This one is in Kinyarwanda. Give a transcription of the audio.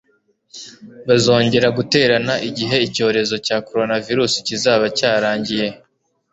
bazongera guterana igihe icyorezo cya coronavirus kizaba cyarangiye